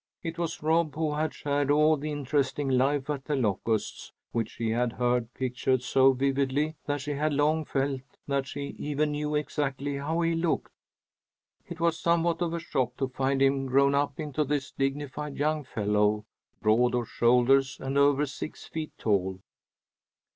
It was Rob who had shared all the interesting life at The Locusts which she had heard pictured so vividly that she had long felt that she even knew exactly how he looked. It was somewhat of a shock to find him grown up into this dignified young fellow, broad of shoulders and over six feet tall.